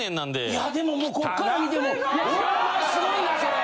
いやでももうこっから見てもほんますごいなそれ。